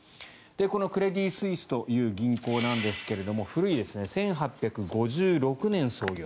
このクレディ・スイスという銀行なんですけれども古いですね１８５６年創業。